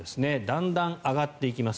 だんだん上がっていきます。